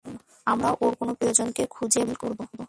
আমরা ওর কোনো প্রিয়জনকে খুঁজে ব্ল্যাকমেইল করব।